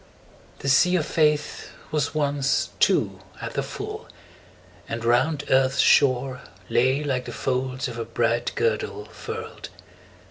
20 The Sea of Faith Was once, too, at the full, and round earth's shore Lay like the folds of a bright girdle furl'd.